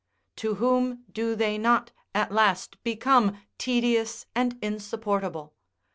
To whom do they not, at last, become tedious and insupportable?